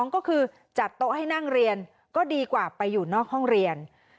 ก็คือจัดโต๊ะให้นั่งเรียนก็ดีกว่าไปอยู่นอกห้องเรียน